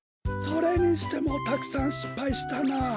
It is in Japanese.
それにしてもたくさんしっぱいしたなあ。